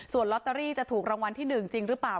ส่วนลอตเตอรี่จะถูกรางวัลที่๑จริงหรือเปล่า